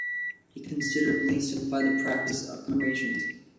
He considerably simplified the practice of commemorations.